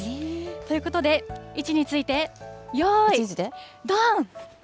ということで、位置についてよーいどん！